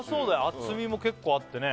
厚みも結構あってね